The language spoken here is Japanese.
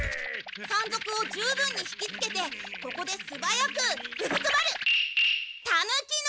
山賊を十分に引きつけてここですばやくうずくまる！